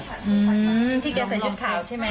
ที่เขาใส่ชุดขาวใช่ไหม